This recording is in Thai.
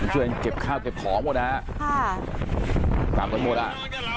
เจ็บข้าวเจ็บของหมดฮะตามคนหมดอ่ะ